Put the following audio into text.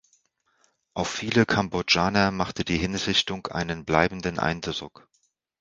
Auf viele Kambodschaner machte die Hinrichtung einen bleibenden Eindruck.